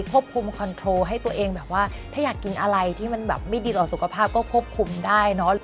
ควบคุมคอนโทรลให้ตัวเองแบบว่าถ้าอยากกินอะไรที่มันแบบไม่ดีต่อสุขภาพก็ควบคุมได้เนอะ